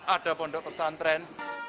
ada pondok pesantren